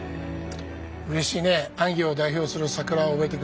うれしいね安行を代表する桜を植えてくれて。